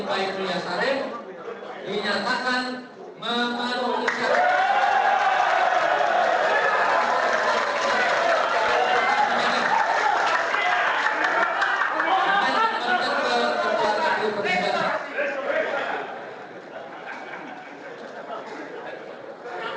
baik riasare dinyatakan memanuliskan